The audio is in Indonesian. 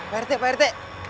pak rt pak rt